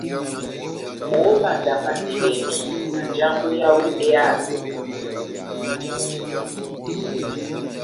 Óbandamasidɛni na njambwɛ yáwu éhásɛ.